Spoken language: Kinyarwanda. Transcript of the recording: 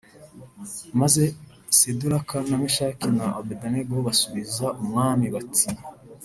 Maze Seduraka na Meshaki na Abedenego basubiza umwami bati